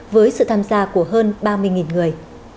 với sự tham gia của hơn ba mươi người